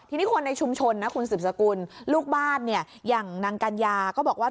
ทีนี้คนในชุมชนนะคุณสืบสกุลลูกบ้านเนี่ยอย่างนางกัญญาก็บอกว่า